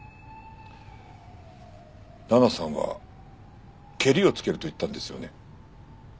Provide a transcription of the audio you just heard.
奈々さんは「ケリをつける」と言ったんですよね？